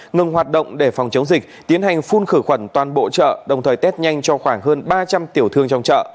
ngừng hoạt động để phòng chống dịch tiến hành phun khử khuẩn toàn bộ chợ đồng thời tết nhanh cho khoảng hơn ba trăm linh tiểu thương trong chợ